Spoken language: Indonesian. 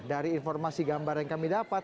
dari informasi gambar yang kami dapat